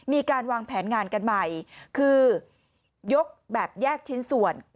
มีการวางแผนงานกันใหม่คือยกแบบแยกชิ้นส่วน